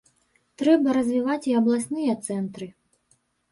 Трэба развіваць і абласныя цэнтры.